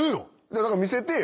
だから見せてぇや。